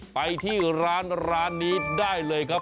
ไปที่ร้านร้านนี้ได้เลยครับ